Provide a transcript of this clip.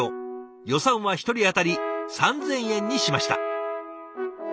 予算は１人当たり３，０００円にしました。